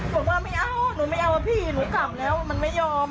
บอกว่าไม่เอาหนูไม่เอาอะพี่หนูกลับแล้วมันไม่ยอม